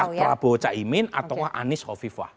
apakah prabowo caimin atau anies hovifah